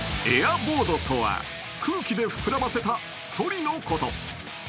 エアボードとは空気で膨らませたそりのこと。